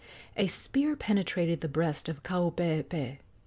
A spear penetrated the breast of Kaupeepee.